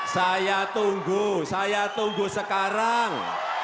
saya tunggu saya tunggu sekarang